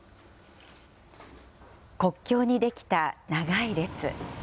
国境に出来た長い列。